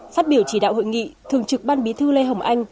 phát biểu chỉ đạo hội nghị thường trực ban bí thư lê hồng anh